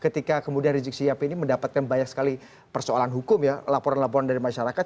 ketika kemudian rizik sihab ini mendapatkan banyak sekali persoalan hukum ya laporan laporan dari masyarakat